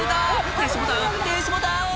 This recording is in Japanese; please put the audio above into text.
「停止ボタン停止ボタン！」